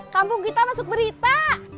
kampung kita masuk berita